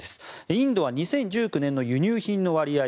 インドは２０１９年の輸入品の割合